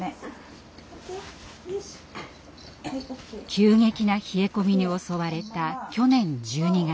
急激な冷え込みに襲われた去年１２月。